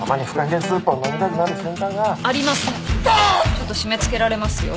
ちょっと締め付けられますよ。